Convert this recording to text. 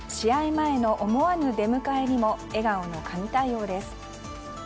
前の思わぬ出迎えにも笑顔の神対応です。